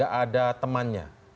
karena gak ada temannya